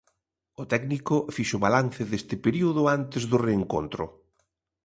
O técnico fixo balance deste período antes do reencontro.